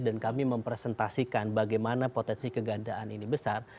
dan kami mempresentasikan bagaimana potensi kegandaan ini besar